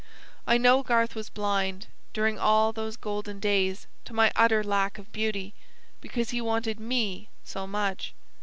I know Garth was blind, during all those golden days, to my utter lack of beauty, because he wanted ME so much.